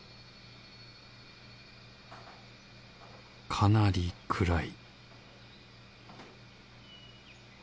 かなり暗い